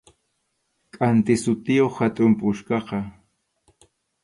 Kʼanti sutiyuq hatun puchkaqa.